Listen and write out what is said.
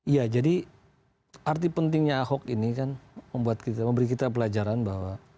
iya jadi arti pentingnya ahok ini kan memberi kita pelajaran bahwa